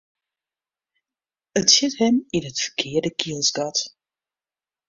It sjit him yn it ferkearde kielsgat.